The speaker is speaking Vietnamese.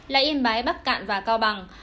là yên bái bắc cạn và cao bằng